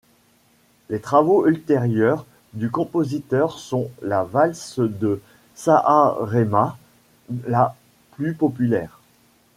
Les travaux ultérieurs du compositeur sont „La Valse de Saaremaa“ la plus populaire.